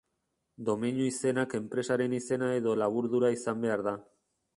Domeinu izenak enpresaren izena edo laburdura izan behar da.